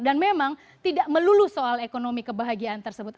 dan memang tidak melulu soal ekonomi kebahagiaan tersebut